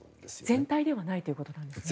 全体ではないということなんですか。